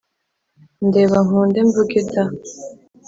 Ndeba nkunde mvuge da